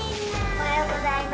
おはようございます。